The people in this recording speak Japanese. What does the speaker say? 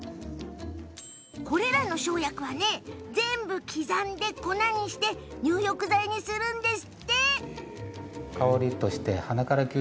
これらの生薬は全部刻んで粉にして入浴剤にするんです。